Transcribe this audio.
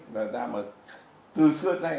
là ra mà từ xưa nay